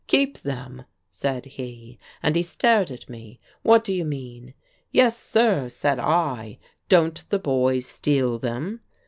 'Keep them!' said he, and he stared at me; 'what do you mean?' 'Yes, sir,' said I; 'don't the boys steal them?'